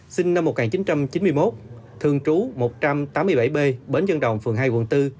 sinh năm một nghìn chín trăm chín mươi một thường trú một trăm tám mươi bảy b bến dân đồng phường hai quận bốn